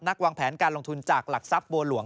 วางแผนการลงทุนจากหลักทรัพย์บัวหลวง